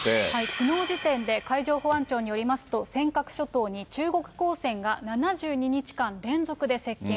きのう時点で海上保安庁によりますと、尖閣諸島に中国公船が７２日間連続で接近。